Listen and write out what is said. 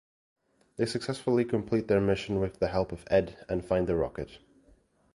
They successfully complete their mission with the help of Edd and find the rocket.